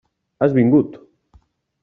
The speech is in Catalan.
Has vingut!